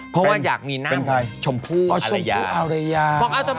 เพราะว่าอยากมีหน้าเหมือนชมพู่อารยาเป็นใคร